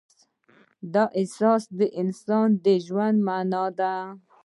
دا احساس د انسان د ژوند معنی ده.